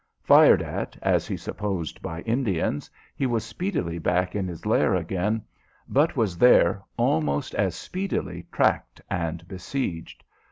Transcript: Fired at, as he supposed, by Indians, he was speedily back in his lair again, but was there almost as speedily tracked and besieged.